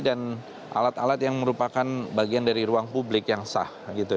dan alat alat yang merupakan bagian dari ruang publik yang sah